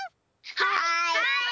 はい！